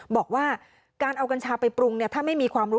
บอกว่าการเอากัญชาไปปรุงเนี่ยถ้าไม่มีความรู้